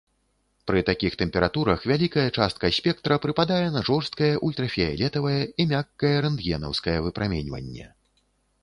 Пры такіх тэмпературах вялікая частка спектра прыпадае на жорсткае ультрафіялетавае і мяккае рэнтгенаўскае выпраменьванне.